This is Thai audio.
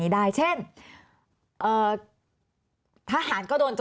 ทำไมรัฐต้องเอาเงินภาษีประชาชน